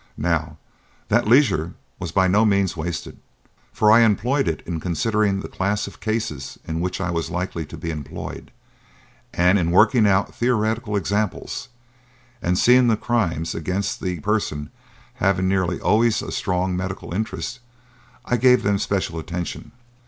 Now, that leisure was by no means wasted, for I employed it in considering the class of cases in which I was likely to be employed, and in working out theoretical examples; and seeing that crimes against the person have nearly always a strong medical interest, I gave them special attention.